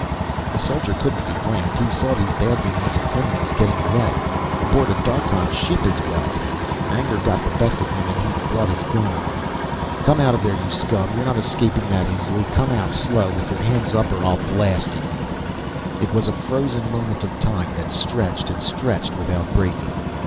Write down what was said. The soldier couldn't be blamed. He saw these badly wanted criminals getting away. Aboard a Darkhan ship as well. Anger got the best of him and he brought his gun up. "Come out of there, you scum. You're not escaping that easily. Come out slow with your hands up or I'll blast you " It was a frozen moment of time that stretched and stretched without breaking.